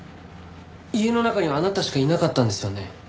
家の中にはあなたしかいなかったんですよね？